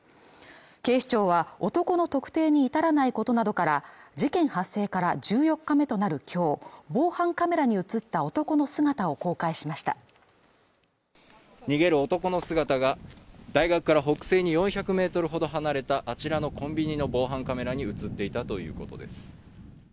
警視庁は男の特定に至らないことなどから事件発生から１４日目となるきょう防犯カメラに映った男の姿を公開しました逃げる男の姿が大学から北西に４００ｍほど離れたあちらのコンビニの防犯カメラに映っていたということです